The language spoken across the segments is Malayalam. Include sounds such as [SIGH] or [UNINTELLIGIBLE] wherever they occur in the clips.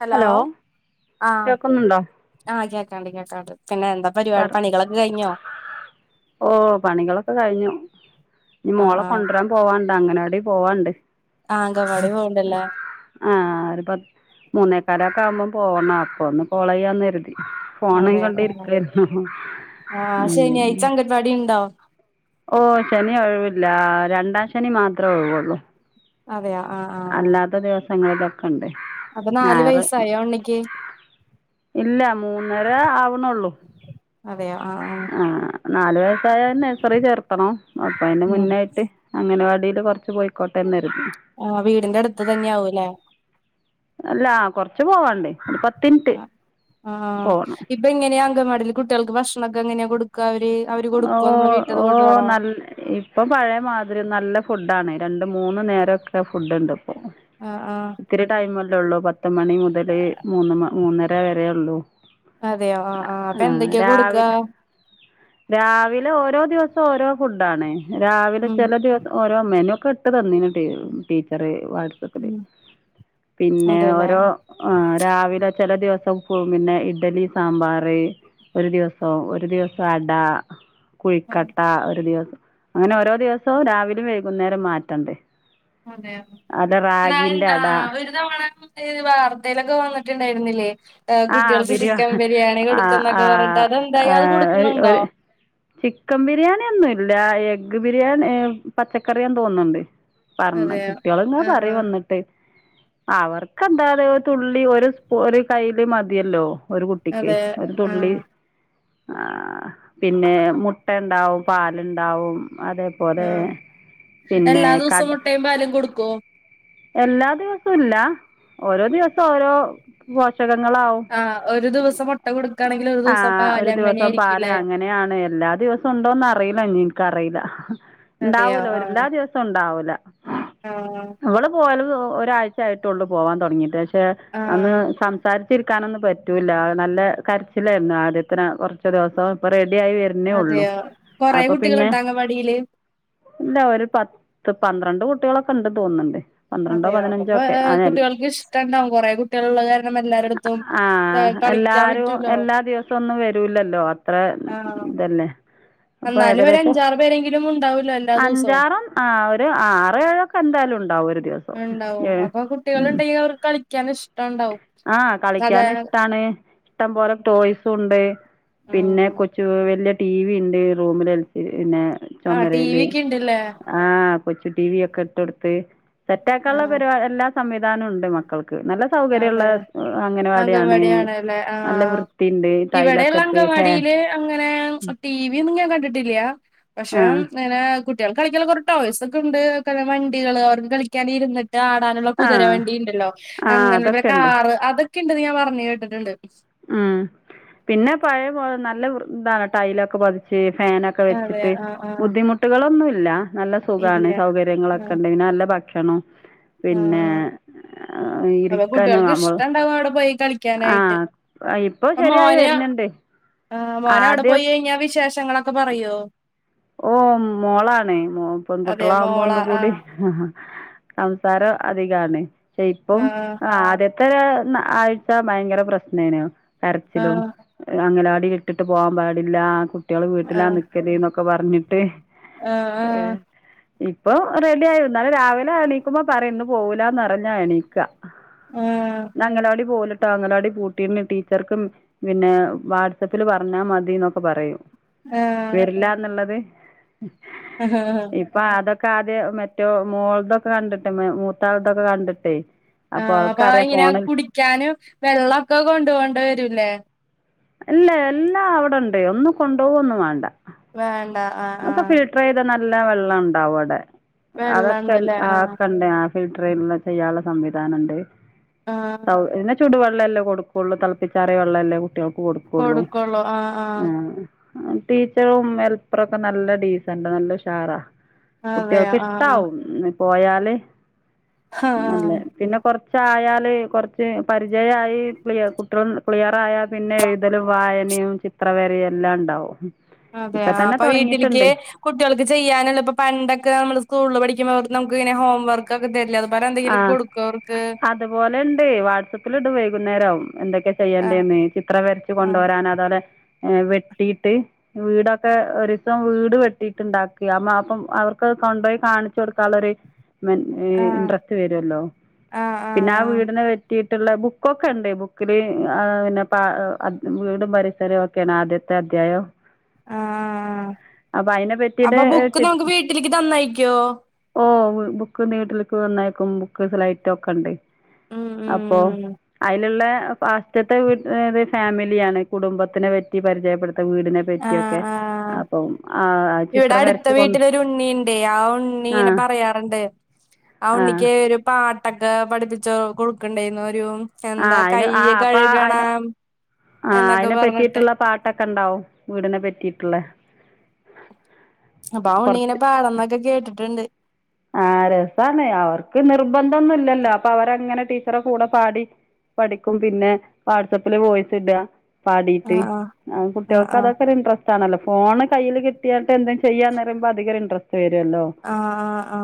ഹലോ ആഹ് കേക്കുന്നുണ്ടോ ആഹ് കേക്കാണ്ട് കേക്കാണ്ട് പിന്നെ എന്താ പരിപാടി പറ പണികളൊക്കെ കഴിഞ്ഞോ ഓ പണികളൊക്കെ കഴിഞ്ഞു ഇനി ആഹ് മോളെ ആഹ് കൊണ്ടരാൻ പോവാണ്ട് അംഗനവാടി പോവാണ്ട് ആഹ് അങ്കവാടി പോവ്ണ്ടല്ലേ ആ ഒര പത് മൂന്നേക്കാല ക്ക ആവുമ്പം പോണം അപ്പൊന്ന് കോളയ്യാന്ന് കെര്തി അതെ ആ ആഹ് ശനിയാഴ്ച്ച ഉം അംഗൻവാടിണ്ടൊ ഓ ശനി ഒഴിവില്ല രണ്ടാം ശനി മാത്രേ ഒഴിവുള്ളൂ അതെയോ ആഹ് ആഹ് അല്ലാത്ത ദിവസങ്ങളിലൊക്കണ്ട് അപ്പൊ നാല് ഞായറ് വയസ്സായോ ഉണ്ണിക്ക് ഇല്ല മൂന്നര ആവുന്നുള്ളു അതെയൊ ആ ആ ആ നാല് വയസ്സായ നഴ്സറി ചേർത്തണം അപ്പ അതിന്റെ ഉം മുന്നായിട്ട് അങ്ങനവാടി കുറച്ച് പോയിക്കട്ടെ എന്നായിരുന്നു ആഹ് വീടിന്റെ അടുത്ത് തന്നെ ആവുല്ലെ അല്ല കൊറച്ച് പോവാണ്ട് ഒരു പത്തിൻറ്റ് ആ പോണം ഇപ്പ എങ്ങനെയാ അംഗനവാടില് കുട്ടികൾക്ക് ഭാഷ ണൊക്കെ എങ്ങനെ കൊടുക്ക ഓ ഓ ഓ നല്ല ഇപ്പൊ പഴയ മാതിരി നല്ല ഫുഡ് ആണ് രണ്ട് മൂന്ന് നേരഓക്കെ ഫുഡ് ഉണ്ട് ആ ആ ഉള്ളൂ പത്ത് മണി മുതല് മൂന്ന് മൂന്നര വരെയ ഉള്ളൂ അതെയോ ആ ആഹ് അപ്പൊ എന്തൊക്കെയാ കൊടുക്കാ രാവിലെ ഓരോ ദിവസം ഓരോ ഫുഡ ആണ് രാവിലെ ഉം ചില ദിവസം ഓരോ മ്മേനു ഇട്ട് തന്നിനിട് ടീച്ചർ വാട്സപില് ഉം പിന്നെ അതെല്ലേ ഓരോ ആ രാവിലെ ചെല ദിവസം സോം പിന്നെ ഇഡലി സാമ്പാർ ഒരു ദിവസം ഒരു ദിവസം അട കുഴിക്കട്ട ഒരു ദിവസം അങ്ങനെ ഓരോ ദിവസവും രാവിലും വൈകുന്നേരം മാറ്റണ്ടേ അതെയോ ഒരു തവണ അട അവരിടുന്ന കാണാമോ ഇത് വാർത്തയിലൊക്കെ വന്നിട്ടുണ്ടായിരുന്നില്ലേ ആ കുട്ടികൾക്ക് ചിക്കൻ ബിരിയാണി ആ കൊടുക്കും ആ എന്നൊക്കെ പറഞ്ഞിട്ട് അതെന്തായി അത് കൊടുക്കുന്നുണ്ടോ ഒരു ചിക്കൻ ബിരിയാണി ഒന്നും ഇല്ല എഗ് ബിരിയാണി ഏ പച്ചക്കറിയന്ന് തോന്നുന്നുണ്ട് പറഞ്ഞ അതെയ കുട്ടികള ഇങ്ങെ പറയും ആഹ് വന്നിട്ട് അവർക്കെന്താതെ തുള്ളി ഒരുസ്പൂ ഒരു കയ്യില് മതിയല്ലോ ഒരു കുട്ടിക്ക് അതെ ഒരു തുള്ളി ആഹ് ആ പിന്നെ മുട്ട ഉണ്ടാവും പാലുണ്ടാവും അതേപോലെ ആഹ് പിന്നെ എല്ലാ കട ദിവസവും മുട്ടയും പാലും കൊടുക്കോ? എല്ലാ ദിവസവും ഇല്ല ഓരോ ദിവസം ഓരോ പുതിയ ങ്ങളാവും ആഹ് ഒരു ദിവസം മുട്ട കൊടുക്കുകയാണെങ്കിൽ ഒരു ആ ദിവസം ഒരു പാല് ദിവസം പാല് അങ്ങനെയായിരിക്കുംല്ലേ അങ്ങനെയാണ് എല്ലാ ദിവസം ഉണ്ടോന്ന് അറിയില്ല ഇനി എനിക്കറിയില്ല ഉണ്ടാവൂല ഒരു എല്ലാ ദിവസം ഉണ്ടാവൂല ആ ഇവിള് പോവല് ഒരാഴ്ചയായിട്ടുള്ളു പോവാൻ തുടങ്ങിട്ട് പക്ഷെ അന്ന് ആഹ് സംസാരിച്ച് ക്കാനൊന്നും പറ്റൂല്ല നല്ല കരച്ചിലായിരുന്നു ആദ്യത്തിന കുറച്ച ദിവസം ആയി വരുന്നേ ഉള്ളൂ അതെയോ കൊറെ അപ്പൊ പിന്നെ കുട്ടികളുണ്ടോ അംഗൻവാടിയില്? ഇല്ല ഒരു പത്ത് പന്ത്രണ്ട് കുട്ടികളൊക്കെ ഇണ്ട് തോന്നണ്ട് അതെയ അപ്പപാര കുട്ടികൾക്ക് ഇഷ്ടം ഉണ്ടാവും കുറെേ കുട്ടികൾ ഉള്ള കാരണം എല്ലാരുടുത്തും ആഹ് എല്ലാരും എല്ലാ ദിവസം ഒന്നും വരൂല്ലല്ലോ അത്ര ആഹ് ഇതല്ലേ അപ്പൊ എന്നാലും ഒരു ഏകദേശം അഞ്ചാറ് പേരെങ്കിലും ഉണ്ടാവല്ലോ എല്ലാ ദിവസവും അഞ്ചാറും ആ ഒരു ആറ ഏഴക്കെ എന്താലും ഉണ്ടാവുല്ലോ ഉണ്ടാവും അപ്പൊ കുട്ടികൾ ഉണ്ടെങ്കിൽ അവർക്ക് കളിക്കാൻ ഇഷ്ടം ആ കളിക്കാന ഇഷ്ടാണ് ഇഷ്ടം പോലെ ടോയ്സും ഉണ്ട് പിന്നെ ഉം കൊച്ചു വേലിയ ടിവി ഉണ്ട് റൂമിൽളച്ച് പിന്നെ ആ ടി വി ചുമുമരയില് ഒക്കെ ഉണ്ടല്ലേ ആഹ് കൊച്ചു ടിവി ഒക്കെ ഇട്ട് കൊടുത്ത് സെറ്റ് ആ ആക്കാനുള്ള പരി എല്ലാ സംവിധാനവും ഉണ്ട് മക്കൾക്ക് നല്ല സൗകര്യഉള്ള അതെ അങ്ങനവാടിയാണ് അങ്കൻവാടിയാണല്ലേ ആ നല്ല വൃത്തി ഉണ്ട് ടൈലൊക്കെ ഇട്ട് ഫാൻ ഇവിടെ അങ്ങനെ ടിവി ഒന്നും ഞാൻ കണ്ടിട്ടില്ല പക്ഷെ ആഹ് ഇങ്ങനെ കുട്ടികൾക്ക് കളിക്കൻ കുറെേ ടോയ്സ് ഒക്കെ ഉണ്ട് കള വണ്ടികള് അവർക്ക് കളിക്കാന് ഇരുന്ന് ആടാനുള്ള ആഹ് കുതിരവണ്ടി ഉണ്ടല്ലോ ആഹ് അങ്ങനെയുള്ള അതൊക്കെ ഉണ്ട് കാറ് അതൊക്കെ ഉണ്ടെന്ന് ഞാൻ പറഞ്ഞ് കേട്ടിട്ടുണ്ട് ഉം പിന്നെ പഴയ പോല നല്ല ഇതാണ് ടൈലൊക്കെ പതിച്ച് ഫാനൊക്കെ അതെ വെച്ചിട്ട് ആ ആ ബുദ്ധിമുട്ടുകളൊന്നുല്ല നല്ല ഇല്ല സുഖമാണ് ആ സൗകര്യങ്ങളൊക്കെ ഉണ്ടങ്കെ നല്ല ഭക്ഷണംോ പിന്നെ ആ അപ്പൊ ഇരിക്കാന കുട്ടികൾക്ക് നമ്മൾ ഇഷ്ടണ്ടാവും അവിടെ പോയി കളിക്കാനായിട്ട് ആഹ ഇപ്പൊ ശരിയായി വരുന്നുണ്ട് ആ് മോന അവിടെ ആദ്യം പോയി കഴിഞ്ഞാ വിശേഷങ്ങളൊക്കെ പറയോ ഓ മോളാാണ്ോ അതെ പെൺകുട്ടികള ആാവുമ്പോ മോള ഒന്ന ആ കൂടി സംസാര അധികാണ് പെ ആ ഇപ്പം ആദ്യത്തെ ആഴ്ച ഭയങ്കര പ്രശ്നേന ആ ആ തരച്ചിലും അങ്ങനൊടി ഇട്ടിട്ട് പോകാൻ പാടില്ല കുട്ടികൾ വീട്ടിലാ നിക്കതൊക്ക ഒക്കെ പറഞ്ഞിട്ട് ആഹ ആഹ ഇപ്പൊ റെഡി ആയി എന്നാല രാവിലെ എണീക്കുമ്പോ പറയും ഇന്ന് പോകലന്ന് പറഞ്ഞാ എണീക്ക ആ ഞങ്ങള അവിടെ പോല താങ്ങലാടി പൂട്ടീന് ടീച്ചർക്കും പിന്നെ വാട്സആപ്പിൽ പറഞ്ഞാൽ മതി എന്നൊക്കെ പറയൂ ആഹ ഇ അൊെ ക്കാദ്യ മറ്റോ മോളതൊക്കെ കണ്ടിട്ട് മൂത്താളതൊക്കെ കണ്ടിട്ടേ ആഹ അപ്പൊ അവൾക്കറിയാ ഇങ്ങനെ ഫോണിൽ കുടിക്കാനും വെള്ളമൊക്കെ കൊണ്ട പോോണ്ട വരൂല്ലേ ഇല്ല എല്ലാ അവിടെണ്ട് ഒന്നും കൊണ്ടുപോക ഒന്നും വേണ്ട വേണ്ട ആഹ ആഹ എല്ല വെള്ളം ഉണ്ട അവിടെ വെള്ളം അതൊക്കെ ഉണ്ടല്ലേ ആ ആക്കണ്ട ഫ ചെയ്യാനുള്ള സംവിധാനംുണ്ട്ൗെ ആ ചടുവ വെള്ളല്ലേ കൊടുക്കുള്ളൂ തിളപ്പിച്ചാറിയ വെള്ളമല്ലേ കുട്ടികൾക്ക് കൊടുക്കുള്ളൂ ആ ടീച്ചറും എൽപ്പറൊക്കെ നല്ല ഡീസന്റ് നല്ല ഷാറാ അതെയോ കുട്ടികൾക്ക് ആ ആ ഇഷ്ടവും പോയാല് ആ ആ നല്ലേ പിന്നെ കൊറച്ച് കുച്ചായാല് കുറച്ച് പരിചയമായി കുട്ടികള ക്ലിയർ ആായാ പിന്നെ എഴുതലും വായനയും ചിത്രവേരയും എല്ലാം ഉണ്ടാവും അതെയ ഇപ്പ തന്നെ അപ്പൊ വീട്ടിലേക്ക് തൊടങ്ങിയിട്ടുണ്ട് കുട്ടികൾക്ക് ചെയ്യാനുള്ള ഇപ്പൊ പണ്ടൊക്കെ നമ്മള് സ്കൂളിൽ പഠിക്ക നമക്ക് ഇെ ഹോം വർക്ക് ഒക്കെ തരില്ല ആ അതുപോലെ ഉണ്ട് വാട്്സപ്പിൽ ഇണ്ട് വൈകുന്നേര ആവും എന്തൊക്കെ ആ ചെയ്യണ്ടന്ന് ചിത്ര വരച്ചു ആ കൊണ്ടുവരാാന അതോെ വെട്ടിട്ട് വീടൊക്കെ ഒരു ദസം വീട് വെട്ടിട്ട്ുണ്ടാക്കി അ അപ്പം അവർക്ക് കൊണ്ടുപോയി കാണിച്ചു കൊടുക്കുള്ളൊരു മ ആ ഇൻട്രസ്റ്റ് വരുല്ലോ പിന്നെ ആ വീടിന് കിട്ടിയിട്ടുള്ള ബുക്കൊക്കെ ഉണ്ട്. ബുക്കില് അത് പിന്നെ വീടും പരിസരവും ഒക്കെയാണ് ആദ്യത്തെ അധ്യായം ആ ആ അപ്പൊ അതിനെ പറ്റീട്ട് അപ്പൊ ബുക്ക് ചി നമുക്ക് വീട്ടിലേക്ക് തന്നയക്കോ ഓ ബുക്ക് വീട്ടിലേക്ക് തന്നയക്കും ബുക്ക് സ്ലേറ്റൊക്കേണ്ട്. ഉം അപ്പോ ഉം അയിലുള്ള ഫാസ്റ്റത്തെ വീ ഒരു ഫാമിലിയാണ് കുടുംബത്തിനെ പറ്റി പരിചയപ്പെടു വീടിനെ ആ പറ്റിയൊക്കെ ആ അപ്പൊ ആ ഇവിടെ ചിത്രം അടുത്ത വരച്ച് കൊണ്ട് വീട്ടിലൊരു ഉണ്ണിയുണ്ടേ ആ ഉണ്ണി ആ ഇങ്ങനെ പറയാറുണ്ട് ആ ആ ഉണ്ണിക്ക് ഒരു പാട്ടൊക്കെ പഠിപ്പിച്ചു കൊടുക്കണ്ടേയിരുന്നു ഒരു ആ എന്താ അയിന് കൈ ആ അപ്പൊ അയിന് കഴുകണം ആ എന്നൊക്കെ അതിനെ പറഞ്ഞിട്ട് പറ്റിയിട്ടുള്ള പാട്ടൊ ക്കെണ്ടാവും വീടിനെ പറ്റിയിട്ടുള്ള അപ്പൊ ആ ഉണ്ണീനെ പാടന്നൊക്കെ കേട്ടിട്ടുണ്ട്. ആ രസാണ് അവർക്ക് നിർബന്ധം ഒന്നും ഇല്ലല്ലോ. അപ്പൊ അവരങ്ങനെ ടീച്ചറുടെ കൂടെ പാടി പഠിക്കും പിന്നെ വാട്സആപ്പില് വോയിസ് ഇടാ. ആ പാടിയിട്ട് ആ ആഹ് കുട്ടികൾക്ക് ആഹ് അതൊക്കെയൊരു ഇൻട്രസ്റ്റ് ആണല്ലോ ഫോണ് കയ്യില് കിട്ടിയട്ട് എന്തും ചെയ്യാന്ന് പറയുമ്പോ അധികം ഇൻട്രസ്റ്റ് വരൂല്ലോ. ആ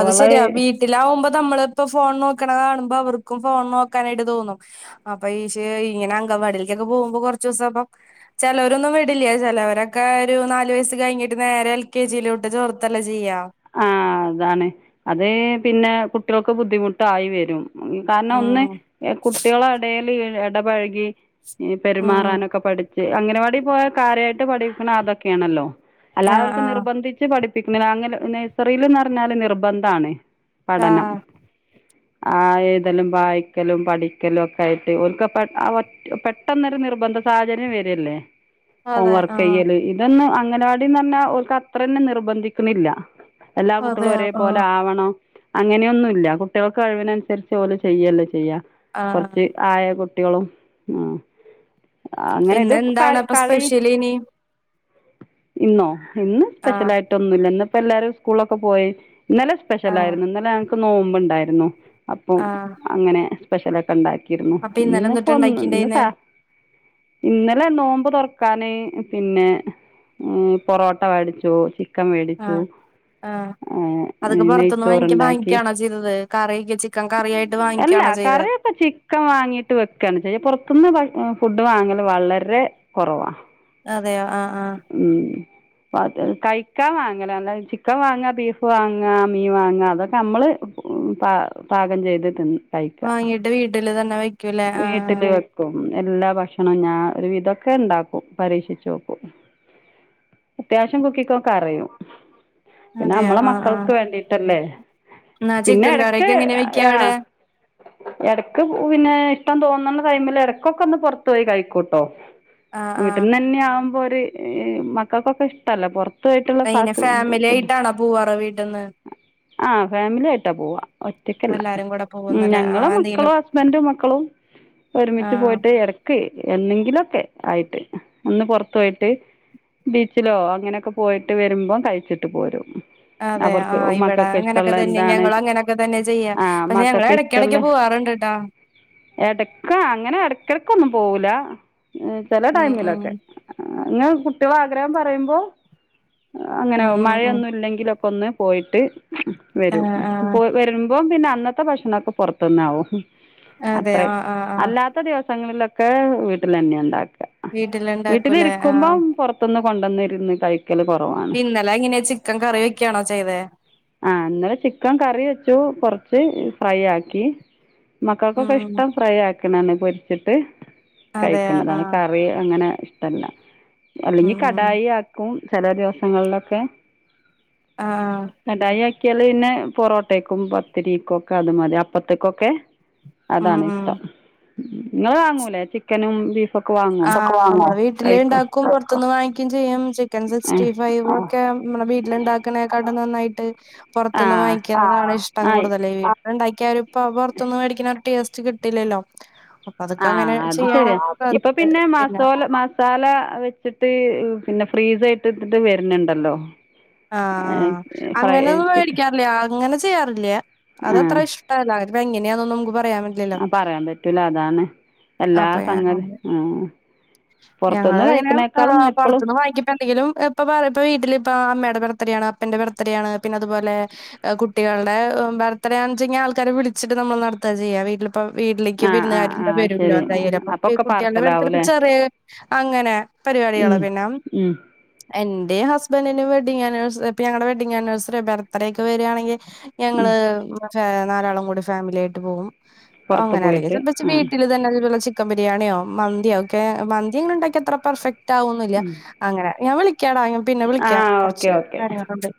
അത് ശരിയാ വീട്ടിലാവുമ്പോ നമ്മളിപ്പോ ഫോൺ നോക്കണ കാണുമ്പോ അപ്പ അവർക്കും ഫോൺ നോക്കാനായിട്ട് തോന്നും. അപ്പൊ ഈക്ഷേ ഇങ്ങനെ അങ്കണവാടിയിലേക്കൊക്കെ പോകുമ്പോ കുറച്ചു ദിവസം അപ്പം ചിലവോരൊന്നും വിടില്ല. ചിലവരൊക്കെ ഒരു നാല് വയസ്സ് കഴിഞ്ഞിട്ട് നേരെ എൽ കെ ജിയിലോട്ട് ചോർത്തല്ലേ ചെയ്യാ. ആ അതാണ് അത് പിന്നെ കുട്ടികൾക്ക് ബുദ്ധിമുട്ടായി വരും. കാരണം ഒന്ന് ഉം കുട്ടികളുടെ ഇടേല് ഇടപഴകി ഈ ഉം പെരുമാറാനൊക്കെ പഠിച്ച് അങ്ങനവാടി പോയ കാര്യായിട്ട് പഠിക്കണെ അതൊക്കെയാണല്ലോ. അല്ലാതെ ആഹ് അവർക്ക് ആഹ് നിർബന്ധിച്ച് പഠിപ്പിക്കുന്നില്ല. അങ്ങനെ നഴ്സറിയിൽന്ന് പറഞ്ഞാല് നിർബന്ധാണ്. പഠനം ആഹ് ആ ഏഴുതലും വായിക്കലും പഠിക്കലും ഒക്കെ ആയിട്ട് ഓൽക്ക് അപ്പെ പെട്ടെന്നൊരു നിർബന്ധ സാഹചര്യം വരേല്ലേ. ഹോം അതെ വർക്ക് ആഹ് ചെയ്യല് ഇതൊന്നും അങ്ങനവാടിന്ന് പറഞ്ഞാ ഓൽക്ക് അത്ര തന്നെ നിർബന്ധിക്കുന്നില്ല. എല്ലാ അതെ കുട്ടികളും ഒരേപോലെ ആഹ് ആവണം. അങ്ങനെയൊന്നുല്ല കുട്ടികൾക്ക് കഴിവിനനുസരിച്ച് ഓല് ചെയ്യല്ലേ ചെയ്യാ. ആഹ് കുറച്ച് ആയ കു ട്ടികളും ആ അങ്ങനെ ഇത് പിന്നെ ക എന്താണ് അപ്പൊ കളി സ്പെഷ്യൽ ഇനി ഇന്നോ. ഇന്ന് സ്പെഷ്യൽ ആഹ് ആയിട്ടൊന്നുംല്ല ഇന്നപ്പോ എല്ലാരും സ്കൂളൊക്കെ പോയി ഇന്നലെ ആഹ് സ്പെഷ്യലായിരുന്നു. ഇന്നലെ ഞങ്ങക്ക് നോമ്പുണ്ടായിരുന്നു. അപ്പം ആഹ് അങ്ങനെ സ്പെഷ്യലൊക്കെ ഉണ്ടാക്കിരുന്നു അപ്പൊ ഇന്നലെ ഇന്നിപ്പ എന്തുട്ടാ ഒന്ന് ഇന്നു ഇണ്ടാക്കിണ്ടായിന്ന് കാ ഇന്നലെ നോമ്പ് തുറക്കാന് പിന്നെ പൊറോട്ട മേടിച്ചു ചിക്കൻ മേടിച്ചു ആ അതൊക്കെ പുറത്തുനിന്ന് വാങ്ങി നെയ്ച്ചോറുണ്ടാക്കി വാങ്ങിക്കയാണോ ചെയ്തത്. കറിയൊക്കെ ചിക്കൻ കറി ആയിട്ട് വാങ്ങിക്കാ അല്ല കറിയൊക്കെ ചിക്കൻ വാങ്ങീട്ട് വെക്കാണ് ചെയ്യാ. പുറത്തുന്ന് ഭ ഫുഡ് വാങ്ങല് വളരെ കുറവാ. അതെയോ ആ ആ അപ്പത് കഴിക്കാം വേ ചിക്കൻ വാങ്ങാ ബീഫ് വാങ്ങാ മീൻവാങ്ങാ അതൊക്കെ നമ്മള് പ പാകം ചെയ്ത് തിന്ന് കഴിക്കാ വാങ്ങിട്ട് വീട്ടില് തന്നെ വെക്കൂല്ലേ ആഹ് വീട്ടില് ആഹ് വെക്കും. എല്ലാ ഭക്ഷണം ഞാൻ ഒരു വിധം ഒക്കെ ഇണ്ടാക്കും. പരീക്ഷിച്ചു നോക്കും. അത്യാവശ്യം കുക്കിങ്ങൊക്കെ അറിയും. പിന്നെ അതെയോ നമ്മള് ആഹ് ആഹ് മക്കൾക്ക് വേണ്ടീട്ടല്ലേ. എന്നാ പിന്നെ ചിക്കൻ ഇടക്ക് കറിയൊക്കെ എങ്ങനെ വെക്കാ ആ അവിടെ ഇടക്ക് പിന്നെ ഇഷ്ടം തോന്നണ ടൈമിൽ ഇടക്കൊക്കെ ഒന്ന് പുറത്തു പോയി കഴിക്കൂട്ടോ. ആഹ് ആഹ് വീട്ടന്നെ തന്നെ ആവുമ്പോര് മക്കൾക്കൊക്കെ ഇഷ്ടല്ല പൊ റത്തുപോയിട്ടുള്ള എങ്ങനെ ഫാമിലി ആയിട്ടാണോ പോവാറ് വീട്ടിന്ന് ആഹ ഫാമിലി ആയിട്ടാ പോവാ ഒറ്റക്കല്ല എല്ലാരും കൂടെ പോകുന്നല്ലേ ഞങ്ങള ആഹ് എന്തെങ്കിലും മക്കളും ഹസ്ബന്റും മക്കളും ഒരുമിച്ച് ആഹ് പോയിട്ട് ഇടക്ക് എന്നെങ്കിലൊക്കെ ആയിട്ട് ഒന്ന് പുറത്തു പോയിട്ട് ബീച്ചിലോ അങ്ങനെയൊക്കെ പോയിട്ട് വരുമ്പോ കഴിച്ചിട്ട് പോരും അതെ അവർക്ക് ആ ഇവിടെ മക്കൾക്ക് അങ്ങനെയൊക്കെ ഇഷ്ടള്ള തന്നെ എന്താണ് ഞങ്ങ അങ്ങനൊക്കെ തന്നെ ചെയ്യാം ആഹ് പക്ഷെ ഞങ്ങള് മക്കൾക്ക് ഇടക്കിടക്ക് പോവാറ ണ്ട്ട്ടോ ഇടക്ക അങ്ങനെ ഇടക്കിടക്കൊന്നും പോവുല്ല ചില ഉം ഉം ടൈമിലൊക്കെ അ കുട്ടികൾ ആഗ്രഹം പറയുമ്പോ അങ്ങനെയ ഉം ഉം മഴയൊന്നും ഇല്ലെങ്കിലൊക്ക ഒന്ന് പോയിട്ട് വരും ആഹ് ആഹ് വരുമ്പോപിന്നെ അന്നത്തെ ഭക്ഷണംഒക്കെ പുറത്തന്ന് ആകും അതെ അത്ര ആഹ് ആഹ് ആഹ് അല്ലാത്ത ദിവസങ്ങളിലൊക്കെ വീട്ടിൽ തന്നെ ഉണ്ടാക്ക വീട്ടിലുണ്ടാക്കൂലേ ആഹ് വീട്ടിലിരിക്കുമ്പം പുറത്തൊന്ന് കൊണ്ടുവന്നിരുന്ന് കഴിക്കല് കുറവാണ് ഇന്നലെ ഇങ്ങനെ ചിക്കൻ കറിവെ ക്കെയാണോ ചെയ്തെ ആഹ ഇന്നലെ ചിക്കൻ കറി വെച്ചു കൊറച്ച് ഫ്രൈ ആക്കി മക്കൾക്കൊക്കെ ഉം ഇഷ്ടം ഫ്രൈ ആക്കണന്ന് പൊരിച്ചിട്ട് അതെ കഴിക്കുന്നതാണ് ആഹ് കറി അങ്ങനെ ഇഷ്ടല്ല ഉം അല്ലെങ്കിൽ ഉം കടായി ആക്കും ചില ദിവസങ്ങളിലൊക്കെ ആഹ ക്കല് പിന്നെ പൊറോട്ടേക്കും പത്തിരിക്കും ഒക്കെ അത് മതി അപ്പത്ത്ക്കൊക്കെ ഉം അതാണ് ഉം ഇഷ്ടം ഇങ്ങൾ വാങ്ങൂലേ ചിക്കനും ബീഫും ആ വീട്ടില് ഉണ്ടാക്കും പൊറത്തുന്ന് വാങ്ങിക്കയും ചെയ്യും ചിക്കൻ സിക്സ്റ്റി ഫൈവ് ഒക്കെ നമ്മുടെ വീട്ടിലുണ്ടാക്ക്‌ണെക്കാടും നന്നായി ആ പുറത്തുന്ന് വാങ്ങിക്കാനാണ് ഇഷ്ടം ആ ആയി കൂടുതല്. [UNINTELLIGIBLE] ഉണ്ടാക്കിയാലും ഇപ്പൊ പുറത്തുന്ന് മേടിക്കണ ര് ടേസ്റ്റ് കിട്ടില്ലല്ലോ അപ്പൊ അതൊക്കെ ആഹ് അങ്ങനെ അത് ചെയ്യാണ് ശരിയാ ഇപ്പൊ പിന്നെ മസോല മസാല വെച്ചിട്ട് പിന്നെ ഫ്രീസ് ആയിട്ട് ട്ട്ട്ട് വര് ന്ണ്ടല്ലോ ആഹ് അങ്ങനെയൊന്നും ചിക്കൻ വേടിക്കാറില്ല അങ്ങനെ ചെയ്യാറില്ല അത് അത്ര ആഹ് ഇഷ്ടല്ല അത് എങ്ങനെയാന്നൊന്നുംക്ക് പറ ആ പറയാൻ പറ്റൂല അതാണ് എല്ലാ സംഗതി ആഹ് പുറത്തുന്ന് ഞങ്ങള് ഇങ്ങനെ കഴിക്കണേക്കാളും എപ്പളും പുറത്ത്ന്ന് വായിങ്ങിക്കുമ്പോ എന്തെങ്കിലും ഇപ്പ പറയപ്പ വീട്ടില് ഇപ്പ അമ്മടെ ബർ തേടേആണ് അപ്പന്റെ ബർത്ത് ത്ഡേആണ് അപ്പൻ്റെ ബർത്ത്ഡേ ആണ്. പിന്നെ അതുപോലെ കുട്ടികൾടെ ബർത്ത്ഡേയ് ആണ് ച്ചെങ്കിൽ ആള്ക്കാരെ വിളിചിട്ട് നമ്മൾ നടത്താ ചെയ്യ വീട്ടില് പ്പം വീട്ടിലേക്ക് ആഹ് ആഹ് വിരുന്നുകാര് ആഹ് വരുല്ലോ ശരി എന്തായാലും അപ്പഈ അപ്പൊക്കെ കുട്ടികളുടെ ബർത്തഡേയ് പാർസലാവൂല്ലേ ചെറിയ അങ്ങനെ പരിപാടികളാ ഉം പിന്നെ ഉം എൻ്റെ മ് ഹസ്ബന്റിന്റെ വെഡിങ് ആനിവേഴ്സ ഇപ്പ ഞങ്ങളെ വെഡ്ഡിങ് ആനിവേഴ്സറി ബർത്ത്ഡേക്കെ വരാണങ്കിൽ ഉം ഞങ്ങള് ഫേ നാലാളും കൂടി ഫാമിലിആയിട്ട് പോകും പുറത്ത് അങ്ങനെ അല്ലെങ്കിൽ പോയിട്ട് ചൽപ ച് ആഹ് വീട്ടില് തന്നെ അതുപോലെ ചിക്കൻ ബിരിയാണിയോ മന്തിയോ ഒക്കെ മൻ ന്തിങ്ങനെ ഇണ്ടാക്ക്യാ അത്ര പെർഫെക്റ്റ് ആവൊന്നില്ല അങ്ങനെ ഞങ്ങളി ക്ക്യാടാ ഞാൻ പിന്നെ വിളിക്ക്യ ആഹ് ഓക്കെ കുറച്ച് ഓക്കെ കാര്യങ്ങളുണ്ട്